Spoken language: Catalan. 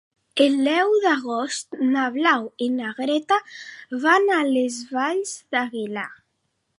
El deu d'agost na Blau i na Greta van a les Valls d'Aguilar.